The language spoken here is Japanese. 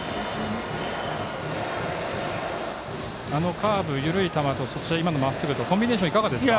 カーブ、緩い球と、まっすぐとコンビネーションはいかがですか。